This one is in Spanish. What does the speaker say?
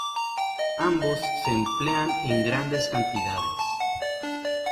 Ambos se emplean en grandes cantidades.